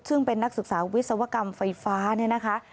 ซึ่งเป็นนักศึกษาวิศวกรรมไฟฟ้าเนี่ยนะคะ